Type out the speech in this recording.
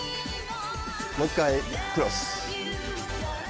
もう１回、クロス。